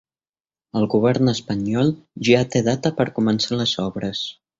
El govern espanyol ja té data per començar les obres